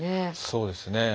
そうですね。